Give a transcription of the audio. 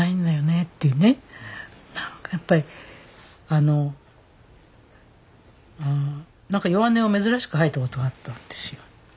何かやっぱり弱音を珍しく吐いたことがあったんですよ。